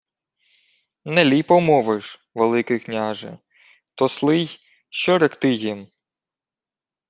— Не ліпо мовиш, Великий княже... То сли й... Що ректи їм?